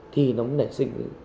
thì nó nảy sinh